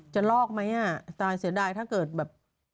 ลอกไหมอ่ะตายเสียดายถ้าเกิดแบบ